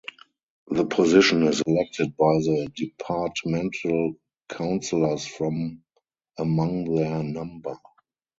The position is elected by the departmental councilors from among their number.